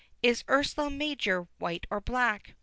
XXVI. Is Ursa Major white or black?